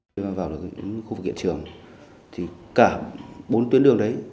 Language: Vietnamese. khi mà vào được khu vực hiện trường thì cả bốn tuyến đường đấy